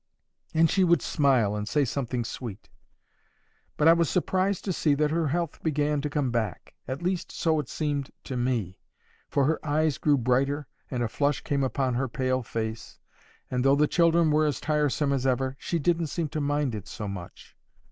And she would smile and say something sweet. But I was surprised to see that her health began to come back—at least so it seemed to me, for her eyes grew brighter and a flush came upon her pale face, and though the children were as tiresome as ever, she didn't seem to mind it so much.